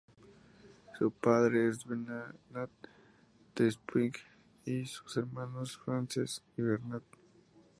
Su padre es Bernat Despuig y sus hermanos Francesc y Bernat.